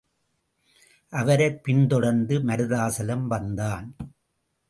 அவரைப் பின்தொடர்ந்து மருதாசலம் வந்தான்.